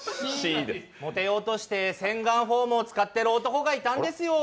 モテようとして洗顔フォームを使ってる男がいたんですよ。